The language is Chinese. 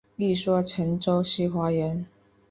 一说陈州西华人。